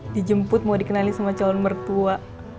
dijemput mau dikenali sama calon mertua